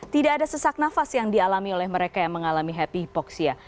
tidak ada sesak nafas yang dialami oleh mereka yang mengalami happy hypoxia